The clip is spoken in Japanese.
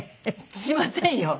しませんよ。